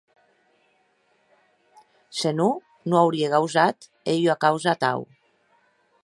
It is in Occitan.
Se non, non aurie gausat hèr ua causa atau.